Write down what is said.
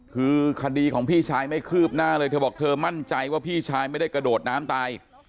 คือคดีของพี่ชายไม่คืบหน้าเลยเธอบอกเธอมั่นใจว่าพี่ชายไม่ได้กระโดดน้ำตาย